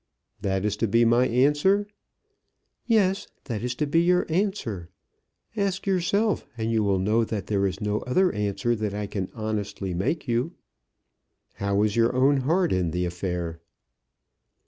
"That is to be my answer?" "Yes, that is to be your answer. Ask yourself, and you will know that there is no other answer that I can honestly make you." "How is your own heart in the affair?"